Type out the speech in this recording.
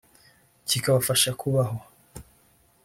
kikabafasha kubaho